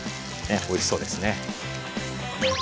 ねおいしそうですね。